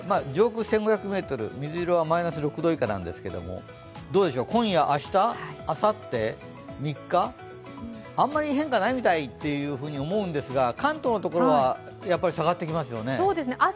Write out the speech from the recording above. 上空１５００ｍ、水色はマイナス６度以下なんですが今夜、明日、あさって、３日あんまり変化ないみたいと思うんですが、関東のところはやっぱり下がってきますよね。